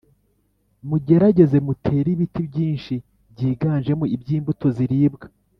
Mugerageze mutere ibiti byinshi byiganjemo ibyimbuto ziribwa